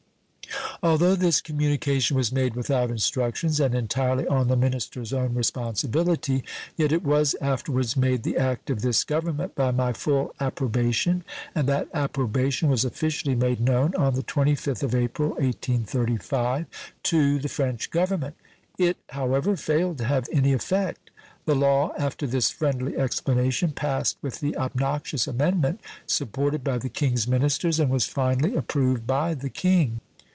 Although this communication was made without instructions and entirely on the minister's own responsibility, yet it was afterwards made the act of this Government by my full approbation, and that approbation was officially made known on the 25th of April, 1835, to the French Government. It, however, failed to have any effect. The law, after this friendly explanation, passed with the obnoxious amendment, supported by the King's ministers, and was finally approved by the King.